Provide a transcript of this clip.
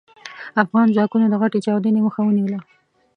افغان ځواکونو د غټې چاودنې مخه ونيوله.